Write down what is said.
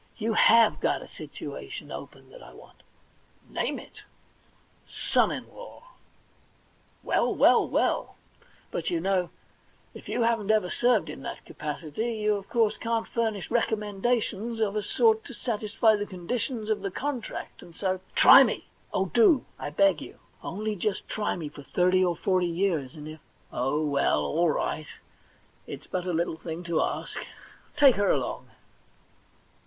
You have got a situation open that I want.' * Name it.* * Son in law.' * Well, well, well ! But you know, if you haven't ever served in that capacity, you of course can't furnish recommendations of a sort to satisfy the conditions of the contract, and so '* Try me — oh, do, I beg of you ! Only just try me thirty or forty years, and if '* Oh, well, all right ; it's but a little thing to ask. Take her along.'